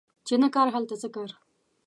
چی نه کار، هلته څه کار